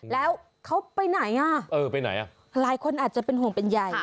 แล้วเขาไปไหนอ่ะเออไปไหนอ่ะหลายคนอาจจะเป็นห่วงเป็นใหญ่